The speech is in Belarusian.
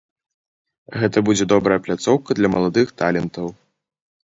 Гэта будзе добрая пляцоўка для маладых талентаў.